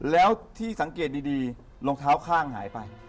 แล้วที่สังเกตดีรองเท้าข้างหายไป